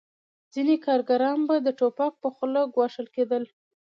ځینې کارګران به د ټوپک په خوله ګواښل کېدل